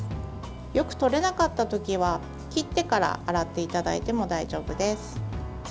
よく取れなかった時は切ってから洗っていただいても大丈夫です。